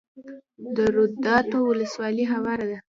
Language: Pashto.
د روداتو ولسوالۍ هواره ده